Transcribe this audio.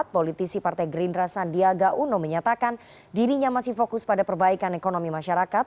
politisi partai gerindra sandiaga uno menyatakan dirinya masih fokus pada perbaikan ekonomi masyarakat